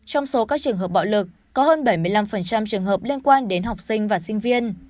trong số các trường hợp bạo lực có hơn bảy mươi năm trường hợp liên quan đến học sinh và sinh viên